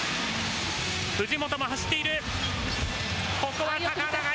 藤本も走っている。